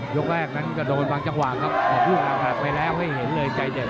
ยกแรกนั้นก็โดนบางจังหวะครับออกลูกหนักไปแล้วให้เห็นเลยใจเด็ด